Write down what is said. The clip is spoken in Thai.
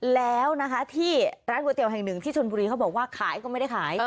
แล้วนะคะที่ร้านก๋วยเตี๋ยวแห่งหนึ่งที่ชนบุรีเขาบอกว่าขายก็ไม่ได้ขาย